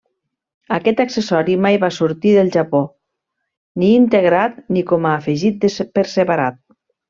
Aquest accessori mai va sortir del Japó, ni integrat ni com a afegit per separat.